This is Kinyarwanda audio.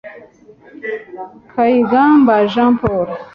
Kayigamba Jean Paul